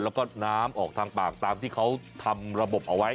แล้วก็น้ำออกทางปากตามที่เขาทำระบบเอาไว้